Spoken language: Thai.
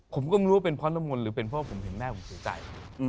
ผมก็ไม่รู้ว่าเป็นเพราะน้ำมนต์หรือเป็นเพราะผมเห็นแม่ผมเสียใจ